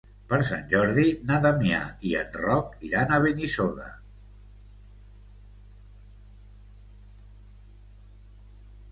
Per Sant Jordi na Damià i en Roc iran a Benissoda.